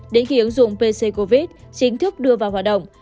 đến khi ứng dụng pc covid chính thức đưa vào hoạt động